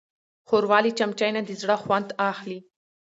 ښوروا له چمچۍ نه د زړه خوند اخلي.